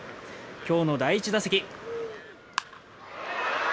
今日の第１打席。